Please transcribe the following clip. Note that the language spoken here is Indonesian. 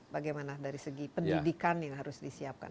bagaimana dari segi pendidikan yang harus disiapkan